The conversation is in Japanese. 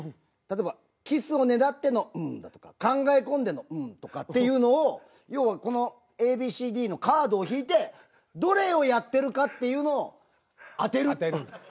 例えばキスをねだっての「んー」だとか考え込んでの「んー」とかっていうのを要はこのＡＢＣＤのカードを引いてどれをやってるかっていうのを当てる。